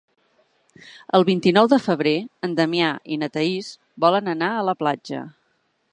El vint-i-nou de febrer en Damià i na Thaís volen anar a la platja.